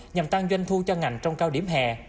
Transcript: nhằm tăng doanh thu cho ngành trong cao điểm